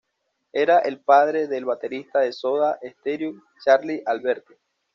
Era el padre del baterista de Soda Stereo, Charly Alberti.